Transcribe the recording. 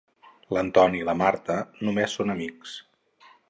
L'Antoni i la Marta només són amics.